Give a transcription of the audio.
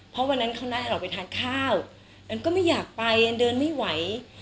เพราะวันนั้นเขานัดออกไปทานข้าวอันก็ไม่อยากไปอันเดินไม่ไหว